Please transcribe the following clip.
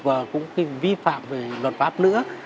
và cũng vi phạm về đoàn pháp nữa